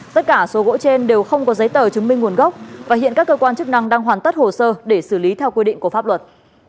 tất cả số gỗ trên đều không có giấy tờ chứng minh nguồn gốc và hiện các cơ quan chức năng đang hoàn tất hồ sơ để xử lý theo quy định của pháp luật